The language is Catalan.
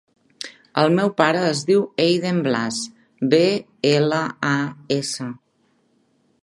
El meu pare es diu Eiden Blas: be, ela, a, essa.